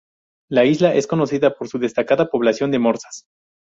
La isla es conocida por su destacada población de morsas.